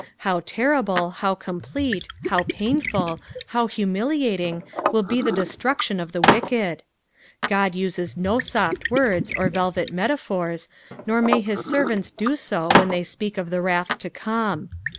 How terrible, how complete, how painful, how humiliating, will be the destruction of the wicked 1 God uses no soft words, or velvet metaphors, nor may his servants do so when they apeak of the wrath to come.